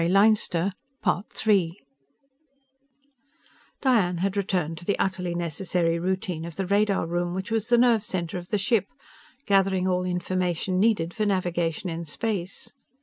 Diane had returned to the utterly necessary routine of the radar room which was the nerve center of the ship, gathering all information needed for navigation in space.